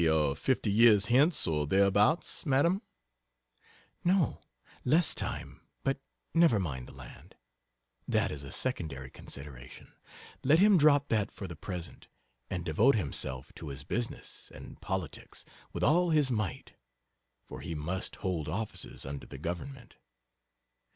C. Say a 50 years hence, or thereabouts. Madame MADAME. No less time but never mind the land, that is a secondary consideration let him drop that for the present, and devote himself to his business and politics with all his might, for he must hold offices under the Government.....